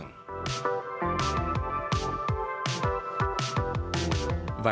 tidak ada perubahan